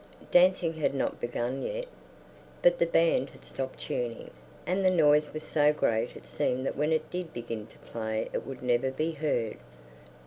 Dancing had not begun yet, but the band had stopped tuning, and the noise was so great it seemed that when it did begin to play it would never be heard.